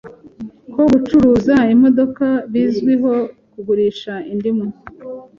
Ko gucuruza imodoka bizwiho kugurisha indimu.